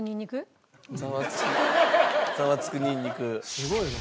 すごいね。